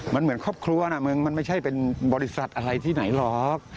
มันเหมือนครอบครัวนะมึงมันไม่ใช่เป็นบริษัทอะไรที่ไหนหรอก